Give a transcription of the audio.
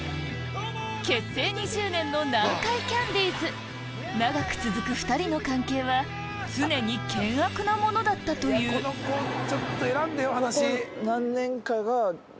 結成２０年の南海キャンディーズ長く続く２人の関係は常に険悪なものだったという仲悪いです。